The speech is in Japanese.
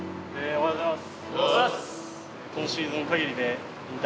おはようございます。